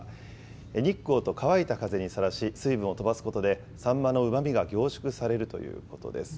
日光と乾いた風にさらし、水分を飛ばすことで、サンマのうまみが凝縮されるということです。